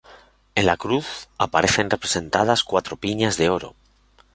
En la cruz aparecen representadas cuatro piñas de oro.